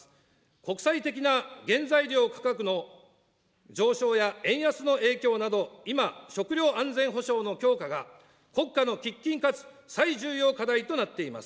国際的な原材料価格の上昇や円安の影響など、今、食料安全保障の強化が国家の喫緊かつ最重要課題となっています。